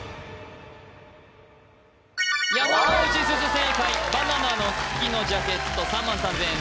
正解バナナの茎のジャケット３万３０００円